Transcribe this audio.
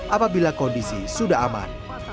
apabila kondisi sudah aman